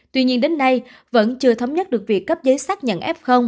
tuy nhiên đến nay vẫn chưa thống nhất được việc cấp giấy xác nhận f